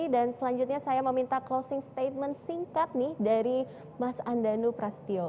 dan selanjutnya saya mau minta closing statement singkat nih dari mas andanu prasetyo